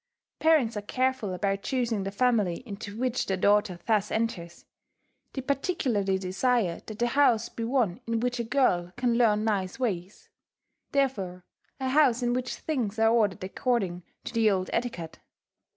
Parents are careful about choosing the family into which their daughter thus enters: they particularly desire that the house be one in which a girl can learn nice ways, therefore a house in which things are ordered according to the old etiquette.